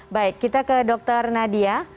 baik kita ke dr nadia